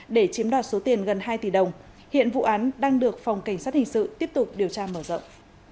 để chiếm đoạt số tiền gần hai tỷ đồng hiện vụ án đang được phòng cảnh sát hình sự tiếp tục điều tra mở rộng